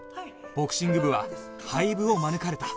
ボクシング部は廃部を免れた